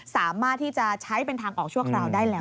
สามารถที่จะใช้เป็นทางออกชั่วคราวได้แล้ว